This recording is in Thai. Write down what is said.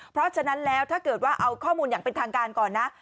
เพราะฉะนั้นแล้วถ้าเกิดว่าเอาข้อมูลอย่างเป็นทางการก่อนนะ